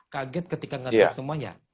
kaget ketika ngeriap semuanya